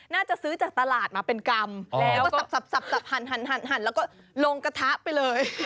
น่าจะซื้อจากตลาดมาเป็นกรรมแล้วก็สับหั่นแล้วก็ลงกระทะไปเลย